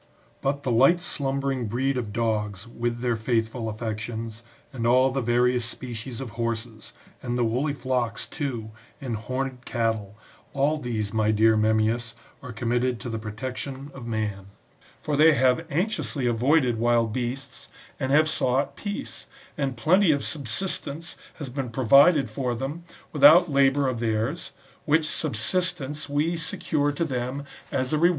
But the light slumbering breed of dogs, with their faithful affections, and all the various species of horses,^ and the woolly flocks, too, and horned cattle, all these, my dear Memmi'us, are com mitted to the protection of man. For they have anxiously avoided wild beasts, and have sought peace ; and plenty of subsistence has been provided for them without labour of theirs, which subsistence we secure to them as a reward in * And all the various species of horses.